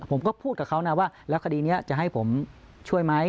ผมก็พูดกับเขานะว่าแล้วคดีนี้จะให้ผมช่วยไหม